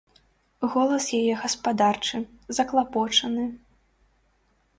Голас яе гаспадарчы, заклапочаны.